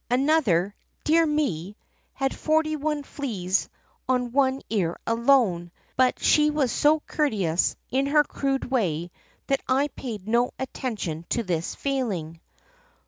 Another — dear me !— had forty one fleas on one ear alone, but she was so courteous, in her crude way, that I paid no attention to this failing.